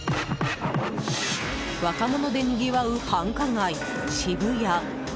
若者でにぎわう繁華街・渋谷。